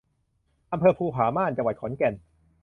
อำเภอภูผาม่าน จังหวัดขอนแก่น